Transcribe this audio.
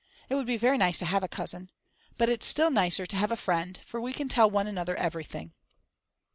It would be very nice to have a cousin. But it's still nicer to have a friend, for we can tell one another everything.